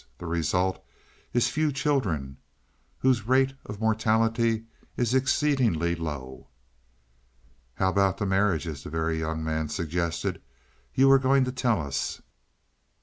The result is few children, whose rate of mortality is exceedingly slow." "How about the marriages?" the Very Young Man suggested. "You were going to tell us."